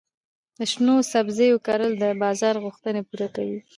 د شنو سبزیو کرل د بازار غوښتنې پوره کوي.